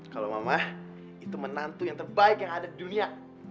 kalau mama itu menantu yang terbaik yang ada di dunia